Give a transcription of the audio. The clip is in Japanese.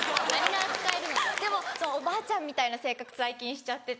でもおばあちゃんみたいな生活最近しちゃってて。